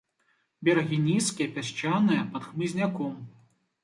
Берагі нізкія, пясчаныя, пад хмызняком.